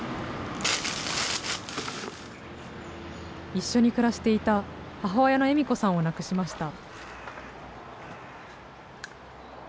一緒に暮らしていた母親の笑子さんを亡くしました。